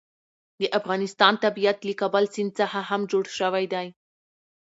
د افغانستان طبیعت له کابل سیند څخه هم جوړ شوی دی.